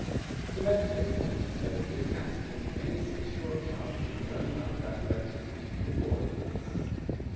As the Medical Examiner said, it was an accident any six year old child would have known enough about electricity to avoid.